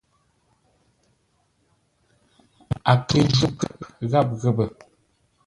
A kə ju kə̂p gháp ghəpə.